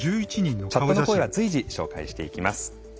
チャットの声は随時紹介していきます。